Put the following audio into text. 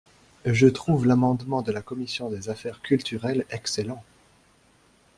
Je trouve l’amendement de la commission des affaires culturelles excellent.